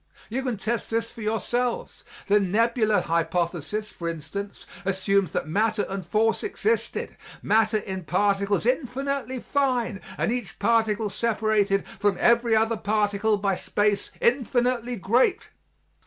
You can test this for yourselves. The nebular hypothesis, for instance, assumes that matter and force existed matter in particles infinitely fine and each particle separated from every other particle by space infinitely great.